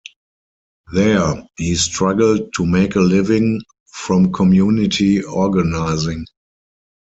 There, he struggled to make a living from community organizing.